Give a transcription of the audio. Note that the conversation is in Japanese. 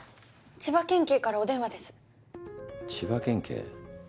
千葉県警？